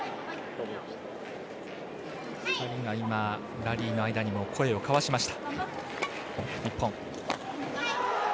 ２人が今、ラリーの間にも声を交わしました。